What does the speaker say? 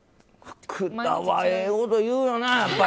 福田、ええこと言うよな。